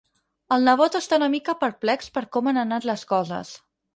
El nebot està una mica perplex per com han anat les coses.